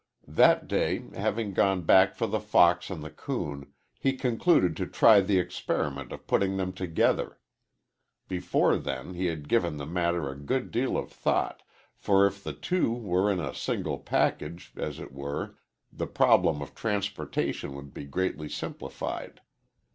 That day, having gone back for the fox and the coon, he concluded to try the experiment of putting them together. Before then he had given the matter a good deal of thought, for if the two were in a single package, as it were, the problem of transportation would be greatly simplified.